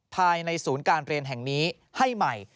ภายในศูนย์การเรียนแห่งนี้ให้ใหม่